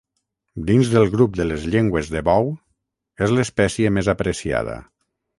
Dins del grup de les llengües de bou, és l'espècie més apreciada.